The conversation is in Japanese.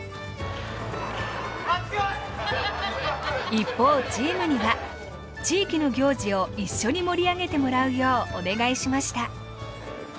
一方チームには地域の行事を一緒に盛り上げてもらうようお願いしました。